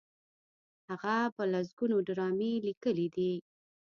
هغه په لسګونو ډرامې لیکلي دي.